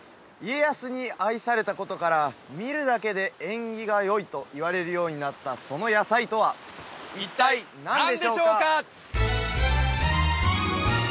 家康の愛されたことから見るだけで縁起がよいといわれるようになったその野菜とは一体何でしょうか？